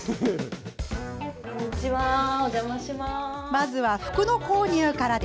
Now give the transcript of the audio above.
まずは、服の購入から。